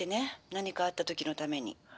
何かあった時のために」。